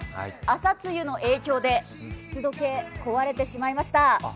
朝露の影響で湿度計壊れてしまいました。